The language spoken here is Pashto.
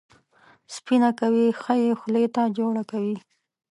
سپینه کوي، ښه یې خولې ته جوړه کوي.